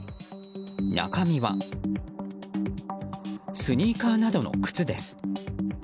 中身はスニーカーなどの靴です。